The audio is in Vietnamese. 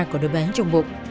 của đứa bé trong bộ